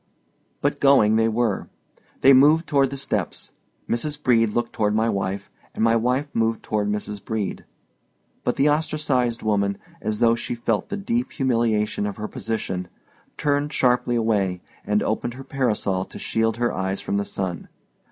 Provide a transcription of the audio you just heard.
But going they were. They moved toward the steps. Mrs. Brede looked toward my wife, and my wife moved toward Mrs. Brede. But the ostracized woman, as though she felt the deep humiliation of her position, turned sharply away, and opened her parasol to shield her eyes from the sun.